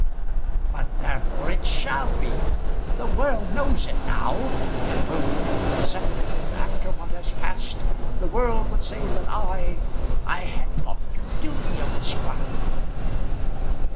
"But therefore it shall be. The world knows it now; and were we to be separated after what has past, the world would say that I I had thought you guilty of this crime."